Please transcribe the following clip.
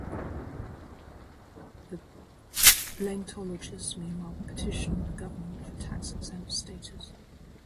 The Blaintologists, meanwhile, petition the government for tax-exempt status.